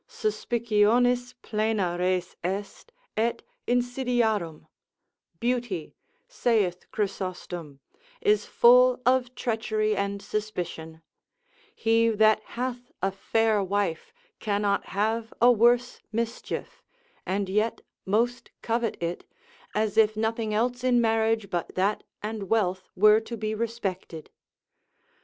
Suspicionis plena res est, et insidiarum, beauty (saith Chrysostom) is full of treachery and suspicion: he that hath a fair wife, cannot have a worse mischief, and yet most covet it, as if nothing else in marriage but that and wealth were to be respected.